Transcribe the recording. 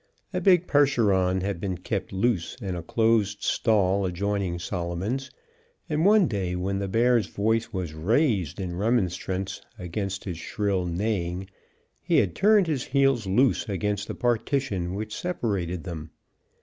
A big Percheron had been kept loose in a closed stall adjoining Solomon's, and one day, when the bear's voice was raised in remonstrance against his shrill neighing, he had turned his heels loose against the partition which separated them.